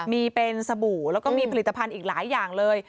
มีเป็นสบู่แล้วก็มีผลิตภัณฑ์อีกหลายอย่างเลย